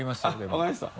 あっ分かりました。